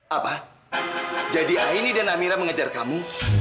apa jadi aini dan amira mengejar kamu